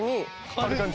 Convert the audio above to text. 張る感じ。